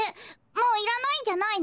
もういらないんじゃないの？